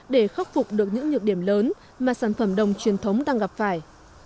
để khắc phục được những nhược điểm lớn mà sản phẩm đồng truyền thống đang gặp phải